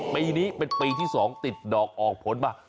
ปีนี้เป็นปีที่๒ติดดอกออกผลมา